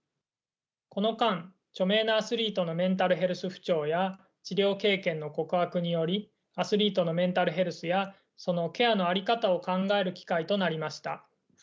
この間著名なアスリートのメンタルヘルス不調や治療経験の告白によりアスリートのメンタルヘルスやそのケアの在り方を考える機会となりました。